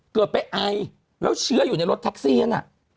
เกิดไปไอแล้วเชื้ออยู่ในรถแท็กซี่น่ะ